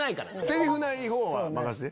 セリフない方は任して。